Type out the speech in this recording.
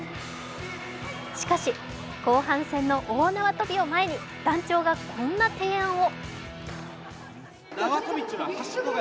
しかし、後半戦の大縄跳びを前に団長がこんな提案を。